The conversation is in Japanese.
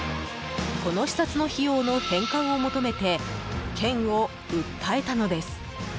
この視察の費用の返還を求めて県を訴えたのです。